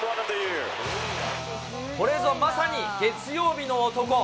これぞまさに月曜日の男。